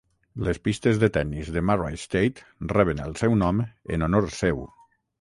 Les pistes de tennis de Murray State reben el seu nom en honor seu.